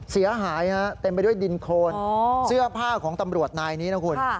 เสียหายฮะเต็มไปด้วยดินโครนเสื้อผ้าของตำรวจนายนี้นะคุณ